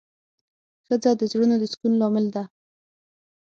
ښځه د زړونو د سکون لامل ده.